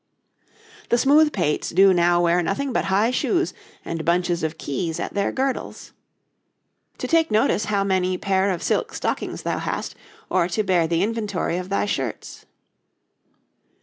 'The smooth pates do now wear nothing but high shoes, and bunches of keys at their girdles.' 'To take notice how many pair of silk stockings thou hast, or to bear the inventory of thy shirts.'